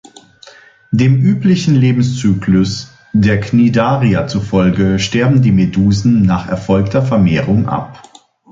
Dem üblichen Lebenszyklus der Cnidaria zufolge sterben die Medusen nach erfolgter Vermehrung ab.